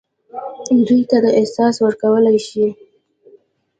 دوی ته دا احساس ورکولای شي.